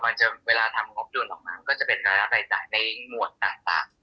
มันจะเวลาทำงบทุนของมันก็จะเป็นบริษัทได้จ่ายในมวดต่าง